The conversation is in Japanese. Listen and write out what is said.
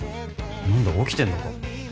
何だ起きてんのか？